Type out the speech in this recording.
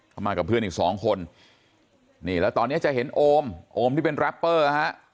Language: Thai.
เข้ามากับเพื่อนอีก๒คนแล้วตอนนี้จะเห็นโอมโอมที่เป็นรัปเปอร์